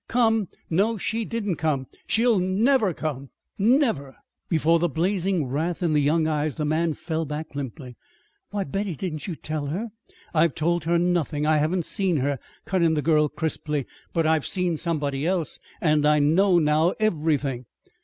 "Come? No, she didn't come. She'll never come never!" Before the blazing wrath in the young eyes the man fell back limply. "Why, Betty, didn't you tell her " "I've told her nothing. I haven't seen her," cut in the girl crisply. "But I've seen somebody else. I know now everything!"